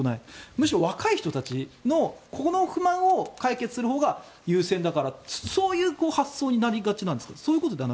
むしろ若い人たちのこの不満を解決するほうが優先だからとそういう発想になりがちなんですか？